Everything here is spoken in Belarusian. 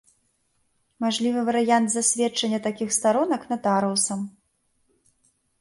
Мажлівы варыянт засведчання такіх старонак натарыусам.